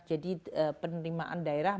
jadi penerimaan daerah